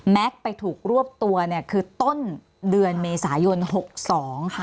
แม็กซ์ไปถูกรวบตัวเนี่ยคือต้นเดือนเมษายนหกสองค่ะ